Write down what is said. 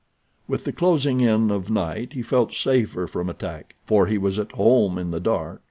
With the closing in of night he felt safer from attack, for he was at home in the dark.